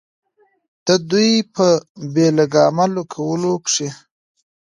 د دوي پۀ بې لګامه کولو کښې